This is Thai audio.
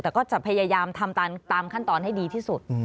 แต่ก็จะพยายามทำตามขั้นตอนให้ดีที่สุด